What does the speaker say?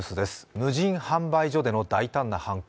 無人販売所での大胆な犯行。